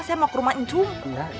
saya mau ke rumah incum